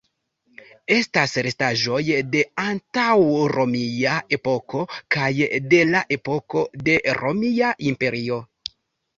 Estas restaĵoj de antaŭromia epoko kaj de la epoko de Romia Imperio.